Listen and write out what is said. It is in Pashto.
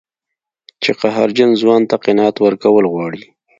چې قهرجن ځوان ته قناعت ورکول غواړي.